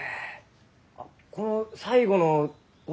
あっこの最後のこれ。